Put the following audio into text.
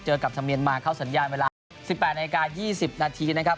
เจอกับธรรมินมาเข้าสัญญาณเวลา๑๘น๒๐นนะครับ